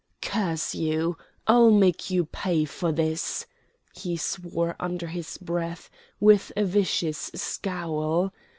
"Curse you, I'll make you pay for this!" he swore under his breath, with a vicious scowl.